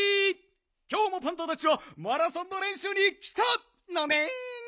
きょうもパンタたちはマラソンのれんしゅうにきたのねん。